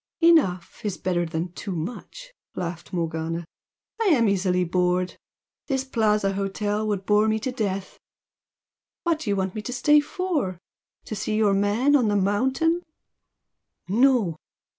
"Enough is better than too much!" laughed Morgana "I am easily bored! This Plaza hotel would bore me to death! What do you want me to stay for? To see your man on the mountain?" "No!"